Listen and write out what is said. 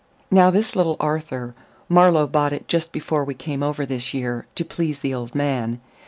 Now this Little Arthur Marlowe bought it just before we came over this year, to please the old man.